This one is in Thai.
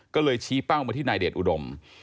ก็เลยชี้เป้ามาที่นายเดชอุดม